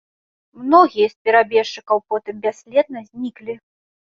Многія з перабежчыкаў потым бясследна зніклі.